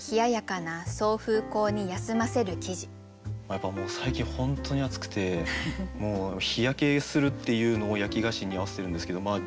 やっぱもう最近本当に暑くて日焼けするっていうのを焼き菓子に合わせてるんですけど。